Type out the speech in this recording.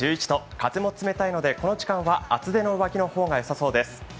風も冷たいのでこの時間は厚手の上着の方がよさそうです。